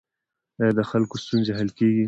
آیا د خلکو ستونزې حل کیږي؟